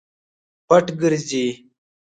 پټ ګرځي.